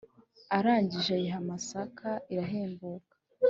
arangije ayiha amasaka irahembuka.